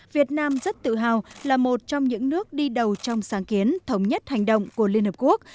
việt nam rất tự hào là một trong những nước đi đầu trong sáng kiến thống nhất hành động của liên hợp quốc